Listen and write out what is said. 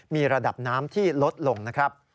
มีระดับน้ำที่ลดลงนะครับ